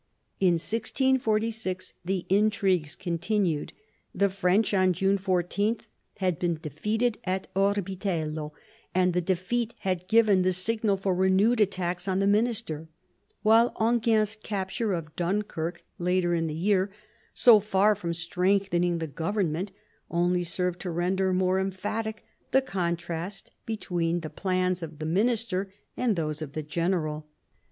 In 1646 the intrigues continued. The French, on June 14, had been defeated at Orbitello, and the defeat had given the signal for renewed attacks on the minister ; while Enghien's capture of Dunkirk later in the year, so far from strengthening the government, only served to render more emphatic the contrast between the plans of the minister and those of the general.